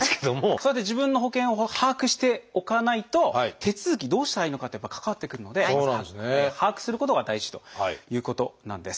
そうやって自分の保険を把握しておかないと手続きどうしたらいいのかってやっぱり関わってくるので把握することが大事ということなんです。